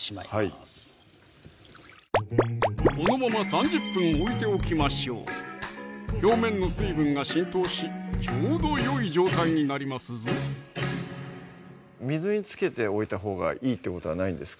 はいこのまま３０分置いておきましょう表面の水分が浸透しちょうどよい状態になりますぞ水につけて置いたほうがいいってことはないんですか？